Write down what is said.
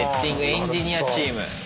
エンジニアチーム。